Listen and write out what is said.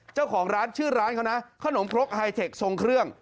เจ้าของร้านชื่อร้านเขานะขนมครกไฮเทคทรงเครื่อง